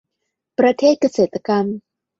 ประเทศเกษตรกรรม